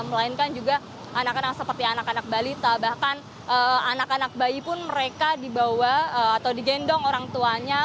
melainkan juga anak anak seperti anak anak balita bahkan anak anak bayi pun mereka dibawa atau digendong orang tuanya